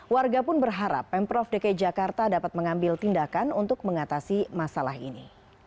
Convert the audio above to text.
warga pun berharap pemprov dki jakarta dapat mengambil tindakan untuk mengatasi masalah ini